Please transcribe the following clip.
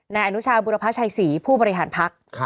นายอนุชาบุรพชัยศรีผู้บริหารพัก